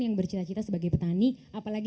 yang bercita cita sebagai petani apalagi